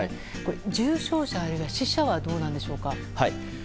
重症者、死者はどうなんでしょうか？